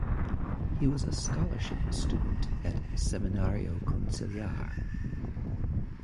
He was a scholarship student at Seminario Conciliar.